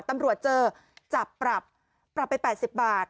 ตำรวจเจอจับปรับปรับไป๘๐บาท